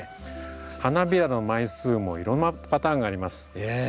花びらの枚数もいろんなパターンがあります。